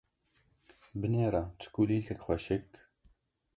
Binêre çi kulîlkek xweşik.